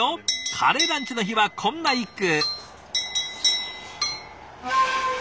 カレーランチの日はこんな一句。